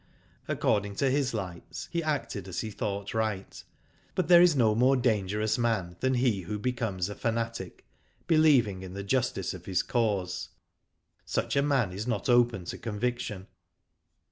According to his lights, he acted as he thought right; but there is no more dangerous man than he who becomes a fanatic, believing in the justice of his cause. Such a man is not open to convic tion.